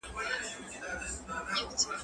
زه اجازه لرم چي شګه پاک کړم!.